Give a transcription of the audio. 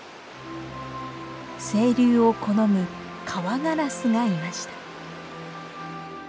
清流を好むカワガラスがいました。